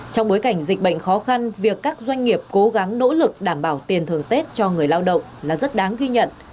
trong bối cảnh dịch bệnh khó khăn việc các doanh nghiệp cố gắng nỗ lực đảm bảo tiền thường tết cho người lao động là rất đáng ghi nhận